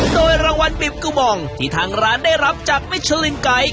โดยรางวัลบีบกระบองที่ทางร้านได้รับจากมิชลินไกด์